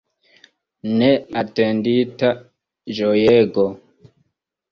Neatendita ĝojego!